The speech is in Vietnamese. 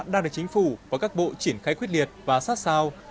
đang được chính phủ và các bộ triển khai quyết liệt và sát sao